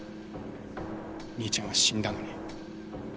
兄ちゃんは死んだのに。